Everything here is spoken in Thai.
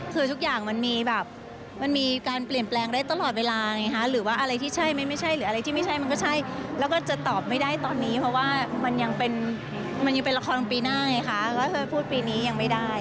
คือทุกอย่างมันมีแบบมันมีการเปลี่ยนแปลงได้ตลอดเวลาไงคะหรือว่าอะไรที่ใช่ไหมไม่ใช่หรืออะไรที่ไม่ใช่มันก็ใช่แล้วก็จะตอบไม่ได้ตอนนี้เพราะว่ามันยังเป็นมันยังเป็นละครปีหน้าไงคะก็คือพูดปีนี้ยังไม่ได้